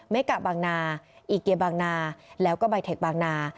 กะบางนาอีเกียบางนาแล้วก็ใบเทคบางนา